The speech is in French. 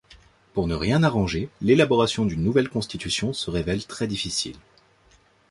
Pour ne rien arranger, l'élaboration d'une nouvelle constitution se révèle très difficile.